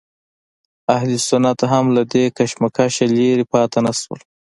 اهل سنت هم له دې کشمکشه لرې پاتې نه شول.